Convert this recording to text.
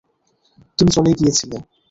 তুমি চলে গিয়েছিলে।